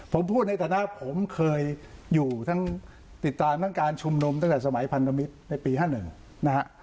ผมพูดในฐานะผมเคยอยู่ทั้งติดตามทั้งการชุมนุมตั้งแต่สมัยพันธมิตรในปี๕๑นะฮะ